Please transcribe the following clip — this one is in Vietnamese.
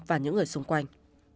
và những người xung quanh